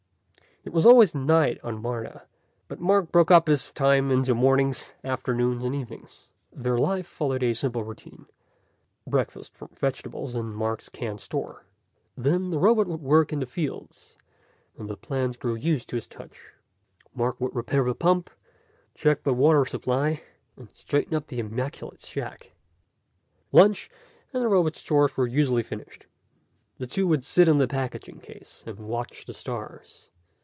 It was always night on Martha, but Mark broke up his time into mornings, afternoons and evenings. Their life followed a simple routine. Breakfast, from vegetables and Mark's canned store. Then the robot would work in the fields, and the plants grew used to his touch. Mark would repair the pump, check the water supply, and straighten up the immaculate shack. Lunch, and the robot's chores were usually finished. The two would sit on the packing case and watch the stars.